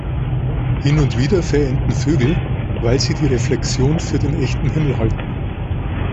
Hin und wieder verenden Vögel, weil sie die Reflexion für den echten Himmel halten.